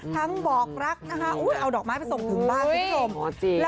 บอกรักนะคะเอาดอกไม้ไปส่งถึงบ้านคุณผู้ชม